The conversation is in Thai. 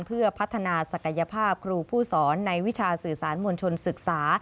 เพื่อพัฒนาศักยภาพครูผู้สอนในวิชาสื่อสารมวลชนศึกษา